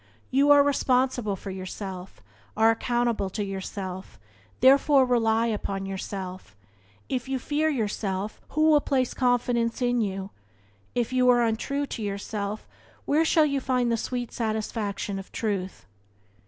You are responsible for yourself, are accountable to yourself, therefore rely upon yourself. If you fear yourself who will place confidence in you? If you are untrue to yourself where shall you find the sweet satisfaction of Truth?